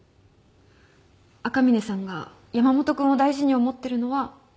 赤嶺さんが山本君を大事に思ってるのは分かってる。